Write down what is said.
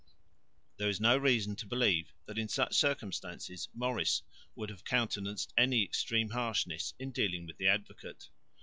There is no reason to believe that in such circumstances Maurice would have countenanced any extreme harshness in dealing with the Advocate.